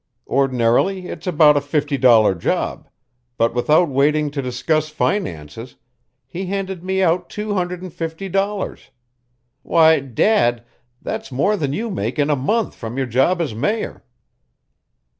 Ordinarily it's about a fifty dollar job, but without waiting to discuss finances he handed me out two hundred and fifty dollars. Why, Dad, that's more than you make in a month from your job as Mayor."